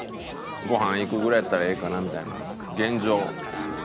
ごはん行くぐらいやったらええかなみたいな現状。